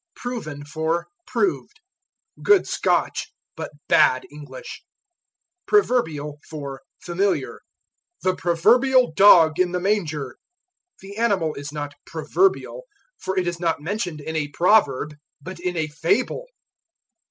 Proven for Proved. Good Scotch, but bad English. Proverbial for Familiar. "The proverbial dog in the manger." The animal is not "proverbial" for it is not mentioned in a proverb, but in a fable.